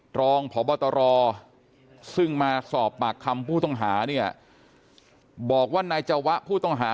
รองพบตรซึ่งมาสอบปากคำผู้ต้องหาเนี่ยบอกว่านายจวะผู้ต้องหา